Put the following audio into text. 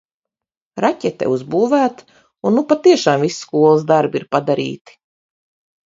Raķete uzbūvēta, un nu patiešām visi skolas darbi ir padarīti.